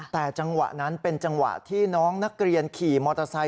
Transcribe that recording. แต่จังหวะนั้นเป็นจังหวะที่น้องนักเรียนขี่มอเตอร์ไซค